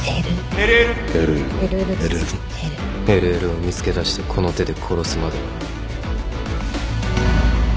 ＬＬ を見つけだしてこの手で殺すまでは